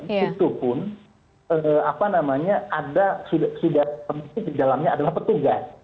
itu pun sudah dalamnya adalah petugas